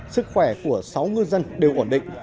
sức khỏe của sáu ngư dân đều ổn định